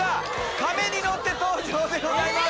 亀に乗って登場でございます。